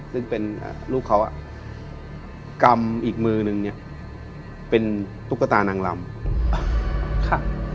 ซึ่งเป็นลูกเขาอ่ะกำอีกมือนึงเนี่ยเป็นตุ๊กตานางลำค่ะ